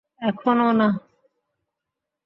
এখনও, না।